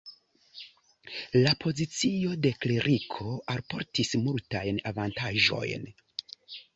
La pozicio de kleriko alportis multajn avantaĝojn.